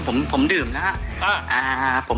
ซื้อคารดื่มมาครับผม